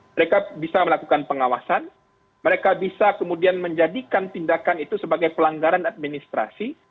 mereka bisa melakukan pengawasan mereka bisa kemudian menjadikan tindakan itu sebagai pelanggaran administrasi